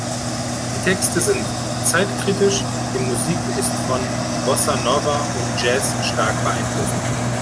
Die Texte sind zeitkritisch, die Musik ist von Bossa Nova und Jazz stark beeinflusst.